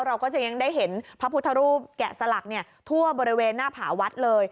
เราก็จะยังได้เห็นพระพุทธรูปแกะสลักทั่วบริเวณหน้าผาวัดเลย